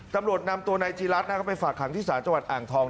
ตำรวจนำตัวนายจีรัฐนะครับไปฝากขังที่ศาลจังหวัดอ่างทอง